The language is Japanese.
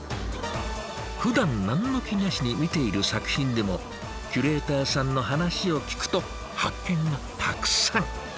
ふだん何の気なしに見ている作品でもキュレーターさんの話を聞くと発見がたくさん！